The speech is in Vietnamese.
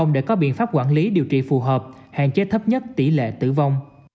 để có biện pháp quản lý điều trị phù hợp hạn chế thấp nhất tỷ lệ tử vong